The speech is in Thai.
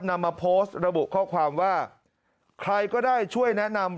นำมาโพสต์ระบุข้อความว่าใครก็ได้ช่วยแนะนำ